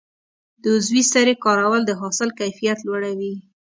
د عضوي سرې کارول د حاصل کیفیت لوړوي.